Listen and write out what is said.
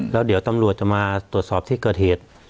แล้วเดี๋ยวตำรวจจะมาตรวจสอบที่เกิดเหตุ